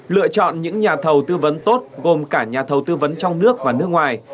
lựa chọn những nhà thầu tư vấn tốt gồm cả nhà thầu tư vấn trong nước và nước ngoài